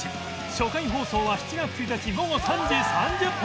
初回放送は７月１日午後３時３０分